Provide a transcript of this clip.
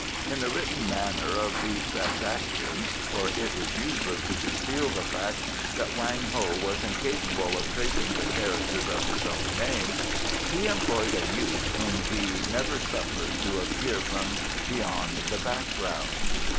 In the written manner of these transactions (for it is useless to conceal the fact that Wang Ho was incapable of tracing the characters of his own name) he employed a youth whom he never suffered to appear from beyond the background.